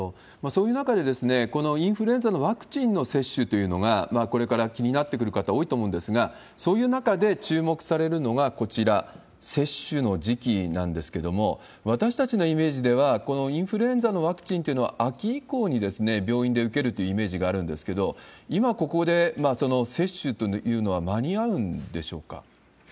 そういう中で、このインフルエンザのワクチンの接種というのがこれから気になってくる方、多いと思うんですが、そういう中で注目されるのがこちら、接種の時期なんですけれども、私たちのイメージでは、このインフルエンザのワクチンというのは、秋以降に病院で受けるというイメージがあるんですけど、今、ここでその接種というのは間に合うんでしょうか？